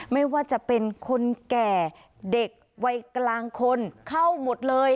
ไม่ว่าจะเป็นคนแก่เด็กวัยกลางคนเข้าหมดเลย